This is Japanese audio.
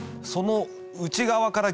その。